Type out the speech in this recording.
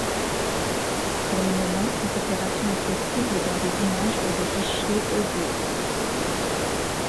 Pour le moment, cette opération est possible dans des images et des fichiers audio.